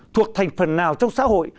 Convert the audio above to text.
thuộc thành phần nào trong xã hội